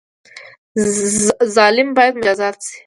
ظالم باید مجازات شي